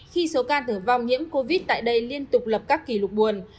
khi số ca tử vong nhiễm covid tại đây liên tục lập các kỷ lục buồn